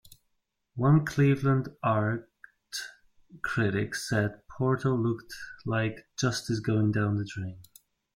One Cleveland art critic said "Portal" looked like "justice going down the drain".